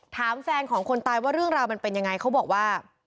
ถามแฟนของคนตายว่าเรื่องราวมันเป็นยังไงเขาบอกว่า